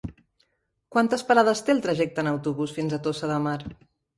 Quantes parades té el trajecte en autobús fins a Tossa de Mar?